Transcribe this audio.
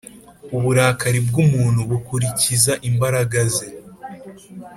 uburakari bw’umuntu bukurikiza imbaraga ze,